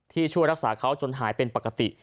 ช่วยรักษาเขาจนหายเป็นปกติ